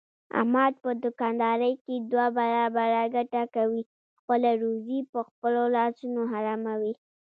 احمد په دوکاندارۍ کې دوه برابره ګټه کوي، خپله روزي په خپلو لاسونو حراموي.